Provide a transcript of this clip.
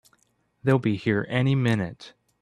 They'll be here any minute!